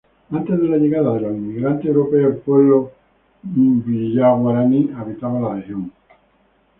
Antes de la llegada de los inmigrantes europeos, el pueblo mbyá-guaraní habitaba la región.